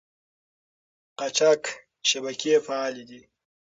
قاچاق شبکې فعالې دي.